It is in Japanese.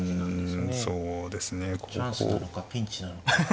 チャンスなのかピンチなのか。